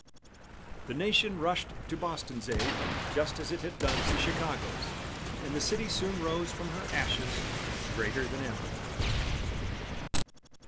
The nation rushed to Boston's aid just as it had done to Chicago's, and the city soon rose from her ashes greater than ever.